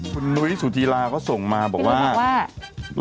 คุณนุ้ยสุธีราก็ส่งมาบอกว่าพี่หนุ่มบอกว่า